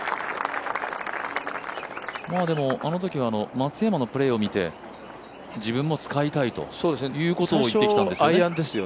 松山のプレーを見て自分も使いたいとということを言ってきたんですよね。